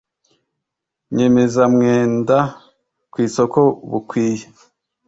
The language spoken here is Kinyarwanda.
Nyemezamwenda ku isoko bukwiye